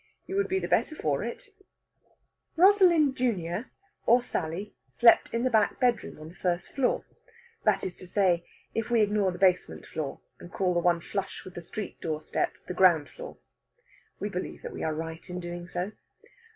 You would be the better for it." Rosalind junior, or Sally, slept in the back bedroom on the first floor that is to say, if we ignore the basement floor and call the one flush with the street door step the ground floor. We believe we are right in doing so.